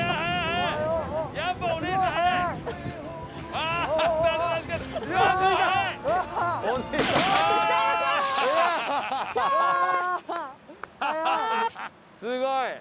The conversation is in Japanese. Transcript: すごい。